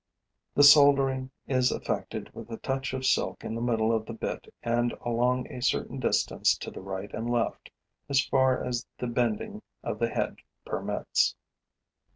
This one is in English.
The soldering is effected with a touch of silk in the middle of the bit and along a certain distance to the right and left, as far as the bending of the head permits.